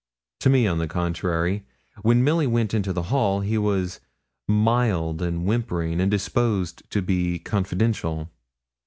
To me, on the contrary, when Milly went into the hall, he was mild and whimpering, and disposed to be confidential.